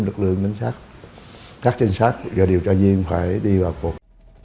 lực lượng tránh sát các tránh sát do điều tra viên phải đi vào cuộc